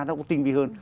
nó cũng tinh vi hơn